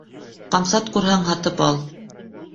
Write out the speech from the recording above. Ҡамсат күрһәң һатып ал